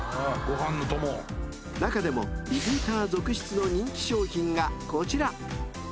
［中でもリピーター続出の人気商品がこちら］